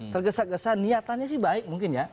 tergesa gesa niatannya sih baik mungkin ya